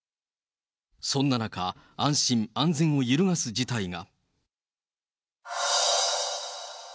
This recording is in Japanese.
そんな中、安心安全を揺るがす事態が。